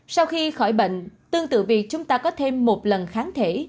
sau khi khỏi bệnh tương tự việc chúng ta có thêm một lần kháng thể